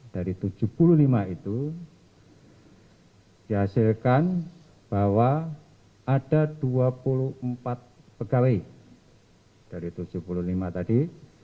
dari tujuh puluh lima itu dihasilkan bahwa ada dua puluh empat pegawai dari tujuh puluh lima tadi